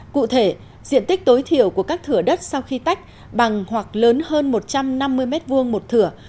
cụ thể diện tích tối thiểu của các thửa đất sau khi tách bằng hoặc lớn hơn một trăm năm mươi m hai một thửa